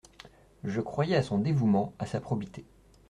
Je croyais à son dévouement, à sa probité.